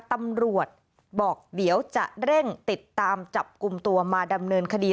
ตำรวจบอกเดี๋ยวจะเร่งติดตามจับกลุ่มตัวมาดำเนินคดี